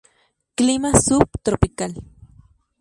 Clima sub tropical.